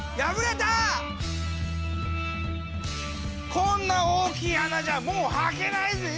こんな大きい穴じゃもうはけないぜぇ。